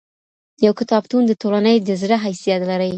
يو کتابتون د ټولني د زړه حيثيت لري.